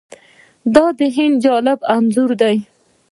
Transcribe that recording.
دا د هند جالب انځور دی.